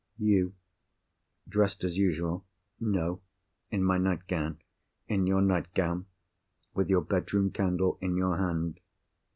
"You." "Dressed as usual?" "No." "In my nightgown?" "In your nightgown—with your bedroom candle in your hand."